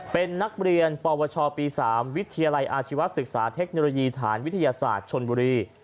เป็นนักเรียนปวชปี๓วิทยาลัยอาชีวศึกษาเทคโนโลยีฐานวิทยาศาสตร์ชนบุรี